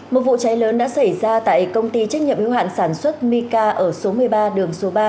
một vụ cháy lớn đã xảy ra tại công ty trách nhiệm yếu hạn sản xuất mika ở số một mươi ba đường số ba